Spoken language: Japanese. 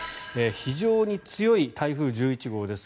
非常に強い台風１１号です。